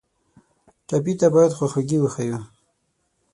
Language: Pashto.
ټپي ته باید خواخوږي وښیو.